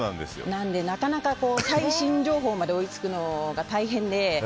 なので、なかなか最新情報まで追いつくのが大変で。